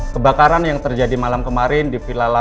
kebakaran yang terjadi malam kemarin di villa lawang